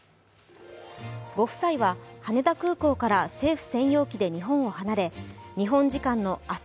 ご夫妻は羽田空港から政府専用機で日本を離れ日本時間の明日